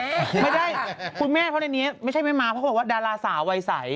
ไม่ได้คุณแม่เพราะในนี้ไม่ใช่ไม่มาเพราะเขาบอกว่าดาราสาววัยใส